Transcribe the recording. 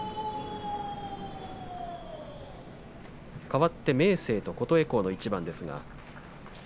かわって明生と琴恵光の一番。